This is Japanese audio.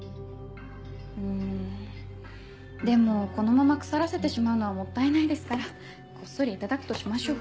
うんでもこのまま腐らせてしまうのはもったいないですからこっそりいただくとしましょう。